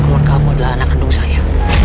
bahwa kamu adalah anak kandung saya